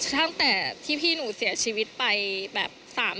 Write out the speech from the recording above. ตั้งแต่ที่พี่หนูเสียชีวิตไปแบบ